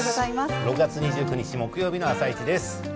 ６月２９日木曜日の「あさイチ」です。